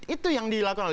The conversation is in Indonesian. itu yang dilakukan